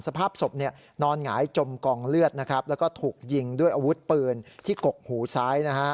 สภาพศพนอนหงายจมกองเลือดนะครับแล้วก็ถูกยิงด้วยอาวุธปืนที่กกหูซ้ายนะฮะ